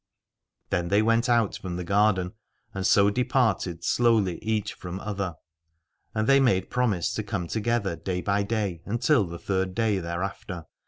Then they went out from the garden, and so departed slowly each from other : and they made promise to come together day by day until the third day thereafter.